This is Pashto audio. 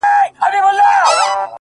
گراني فريادي دي بـېــگـــاه وويل;